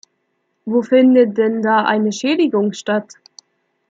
Wo findet denn da eine Schädigung statt?